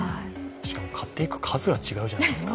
しかも買っていく数が違うじゃないですか。